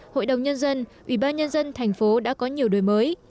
hội đồng nhân dân ủy ban nhân dân tp đã có nhiều đối mới